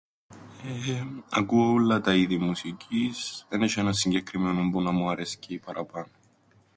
Εεεμ... ακούω ούλλα τα είδη μουσικής, εν έσ̆ει έναν συγκεκριμένον, που να μου αρέσκει παραπάνω.